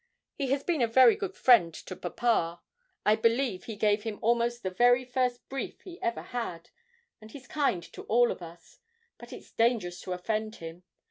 He has been a very good friend to papa; I believe he gave him almost the very first brief he ever had; and he's kind to all of us. But it's dangerous to offend him.